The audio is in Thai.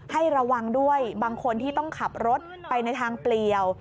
ให้ระวังด้วยบางคนที่ต้องขับรถไปในทางเปลี่ยว